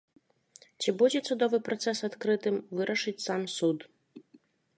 Ці будзе судовы працэс адкрытым, вырашыць сам суд.